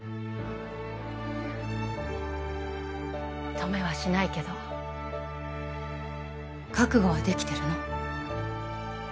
止めはしないけど覚悟はできてるの？